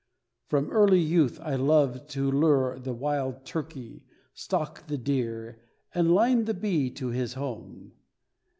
From early youth I loved to lure the wild turkey, stalk the deer and line the bee to his home.